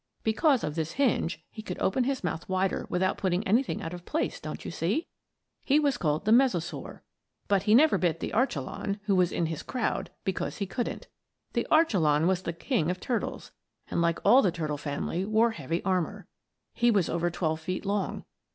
Because of this hinge he could open his mouth wider without putting anything out of place, don't you see? He was called the Mesosaur. But he never bit the Archelon, who was in his crowd, because he couldn't. The Archelon was the king of turtles, and, like all the turtle family, wore heavy armor. He was over twelve feet long.